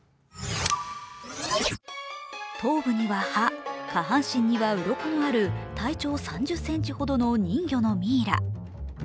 頭部には歯、下半身にはうろこのある体長３０ｃｍほどの人魚のミイラ。